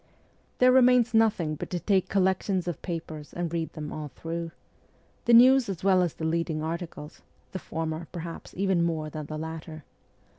There remains nothing but to take collections of papers and read them all through the news as well as the leading articles the former, perhaps, even more than the latter.